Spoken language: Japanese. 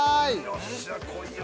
よっしゃこいよ